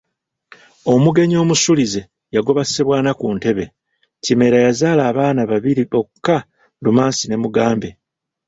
Omugenyi omusulize, yagoba Ssebwana ku ntebe. Kimera yazaala abaana babiri bokka Lumansi ne Mugambe.